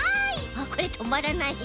あっこれとまらない。